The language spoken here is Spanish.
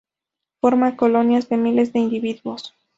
Forma colonias de miles de individuos.